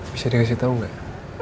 bisa dikasih tau gak